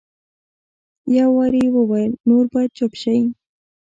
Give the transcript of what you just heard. یو وار یې وویل نور باید چپ شئ.